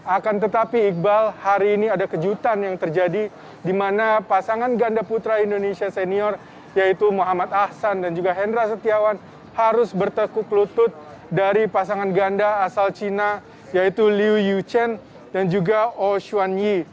akan tetapi iqbal hari ini ada kejutan yang terjadi di mana pasangan ganda putra indonesia senior yaitu muhammad ahsan dan juga hendra setiawan harus bertekuk lutut dari pasangan ganda asal cina yaitu liu yu chen dan juga oshuan yi